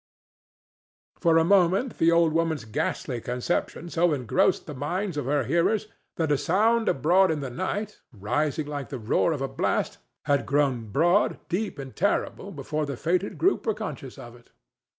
For a moment the old woman's ghastly conception so engrossed the minds of her hearers that a sound abroad in the night, rising like the roar of a blast, had grown broad, deep and terrible before the fated group were conscious of it.